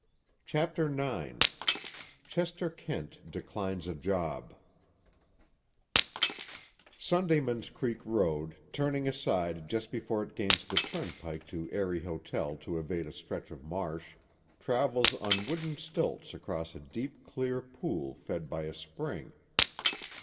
CHAPTER IX—CHESTER KENT DECLINES A JOB Sundayman's Creek Road, turning aside just before it gains the turnpike to the Eyrie Hotel to evade a stretch of marsh, travels on wooden stilts across a deep clear pool fed by a spring.